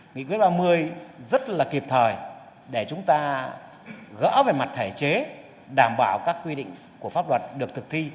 nghị quyết ba mươi rất là kịp thời để chúng ta gỡ về mặt thể chế đảm bảo các quy định của pháp luật được thực thi